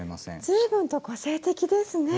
随分と個性的ですね。